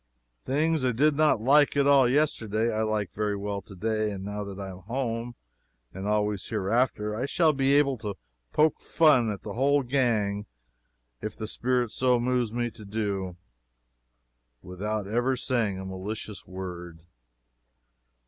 Things I did not like at all yesterday I like very well to day, now that I am at home, and always hereafter I shall be able to poke fun at the whole gang if the spirit so moves me to do, without ever saying a malicious word.